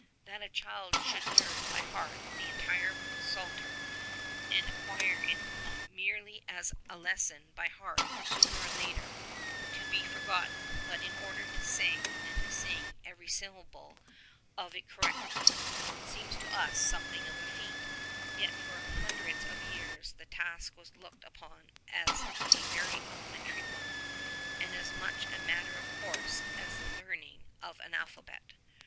That a child should learn by heart the entire Psalter, and ac quire it not merely as a lesson by heart sooner or later to be forgotten, but in order to say and to sing every syllable of it correctly, seems to us something of a feat; yet for hun dreds of years the task was looked upon as a very elementary one and as much a matter of course as the learning of an alphabet.